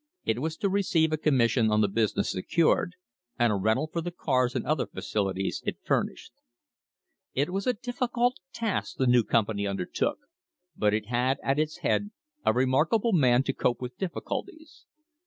It was to receive a commission on the business secured, and a rental for the cars and other facilities it furnished. It was a difficult task the new company undertook, but it had at its head a remarkable man to cope with difficulties.